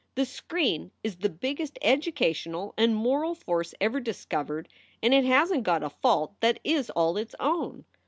The screen is the biggest educational and moral force ever discovered and it hasn t got a fault that is all its own.